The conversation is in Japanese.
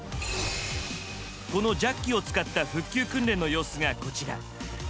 このジャッキを使った復旧訓練の様子がこちら。